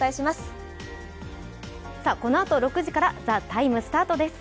このあと６時から、「ＴＨＥＴＩＭＥ，」スタートです。